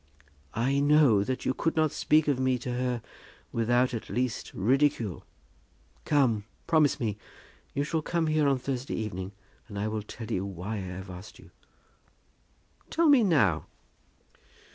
"I know that you could not speak of me to her without at least ridicule. Come, promise me. You shall come here on Thursday evening, and I will tell you why I have asked you." "Tell me now."